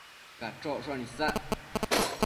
Cachocshon isac